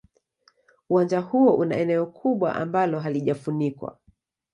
Uwanja huo una eneo kubwa ambalo halijafunikwa.